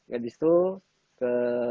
habis itu ke